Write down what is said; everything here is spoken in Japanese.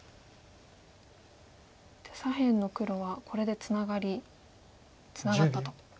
じゃあ左辺の黒はこれでツナガリツナがったと。